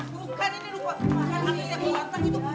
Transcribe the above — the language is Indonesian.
bukan ini rumah anak kita berantem itu bukan